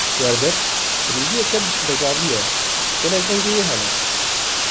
Werdek, firindeyeke bejavî ye, gelek rengên wê hene.